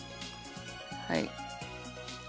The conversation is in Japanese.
はい。